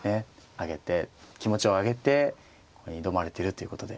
上げて気持ちを上げてここに挑まれているということで。